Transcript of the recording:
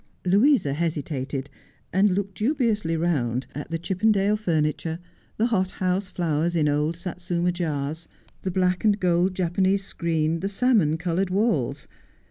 Louisa hesitated, and looked dubiously round at the Chippen A Friendly Dinner. 71 dale furniture, the hot house flowers in old Satsuma jars, the black and gold Japanese screen, the salmon coloured walls.